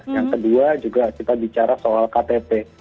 yang kedua juga kita bicara soal ktp